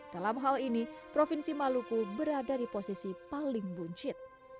dalam hal ini provinsi maluku berada di posisi paling buncit